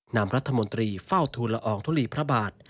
นำรัฐมนตรีเฝ้าทูลละอองทุลีพระบาท